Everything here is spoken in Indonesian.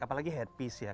apalagi headpiece ya